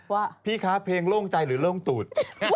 ว่าพี่คะเพลงโล่งใจหรือโล่งตูด